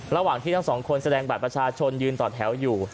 ระหว่างที่ทั้งสองคนแสดงบัตรประชาชนยืนต่อแถวอยู่